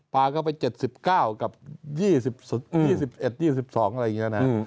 ปาก็ไป๗๙กับ๒๑๒๒อะไรอย่างนี้นะครับ